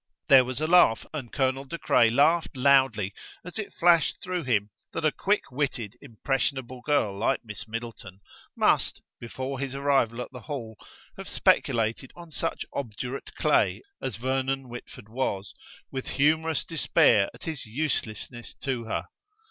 There was a laugh, and Colonel De Craye laughed loudly as it flashed through him that a quick witted impressionable girl like Miss Middleton must, before his arrival at the Hall, have speculated on such obdurate clay as Vernon Whitford was, with humourous despair at his uselessness to her.